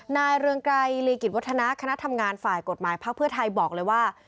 เรืองไกรลีกิจวัฒนาคณะทำงานฝ่ายกฎหมายพักเพื่อไทยบอกเลยว่า